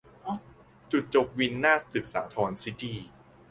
จุดจบวินหน้าตึกสาธรซิตี้